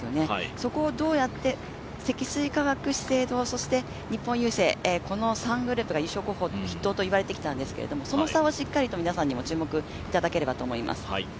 そこをどうやって積水化学、資生堂そして日本郵政の３グループが優勝候補筆頭と言われてきたんですけど、その差をしっかりと皆さんにご注目いただければと思います。